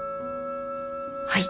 はい。